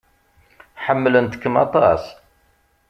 Ḥemmlent-kem aṭas.